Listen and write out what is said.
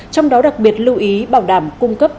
trong đó đặc biệt lưu ý bảo đảm cung cấp